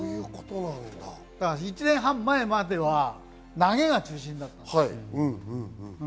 １年半前までは投げが中心だったんです。